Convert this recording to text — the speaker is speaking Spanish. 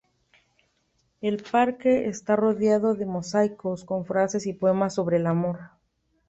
El parque está rodeado de mosaicos con frases y poemas sobre el amor.